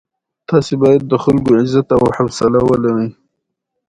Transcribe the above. چايبر او چايجوشه دواړه د چايو د پاره کاريږي.